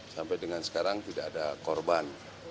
sampai dengan sekarang tidak ada korban